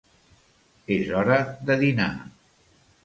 És hora de dinar.